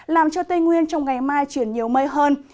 làm cho tây nguyên trong ngày mai chuyển nhiều mây hơn